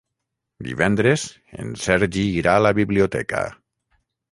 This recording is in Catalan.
Divendres en Sergi irà a la biblioteca.